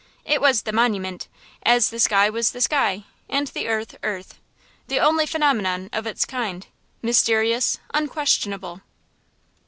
It was the monument, as the sky was the sky, and the earth, earth: the only phenomenon of its kind, mysterious, unquestionable.